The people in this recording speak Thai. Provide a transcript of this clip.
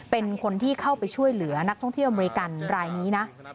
เป็นคนที่เข้าไปช่วยเหลือนักท่องเที่ยวอเมริกันรายนี้นะ